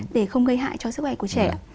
để không gây hại cho sức khỏe của trẻ